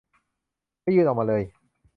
ไม่ยื่นออกมาเลย